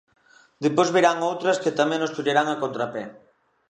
Despois virán outras que tamén nos collerán a contrapé.